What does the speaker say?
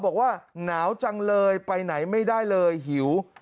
บอกว่าหนาวจังเลยไปไหนไม่ได้เลยหิว